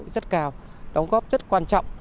rất cao đóng góp rất quan trọng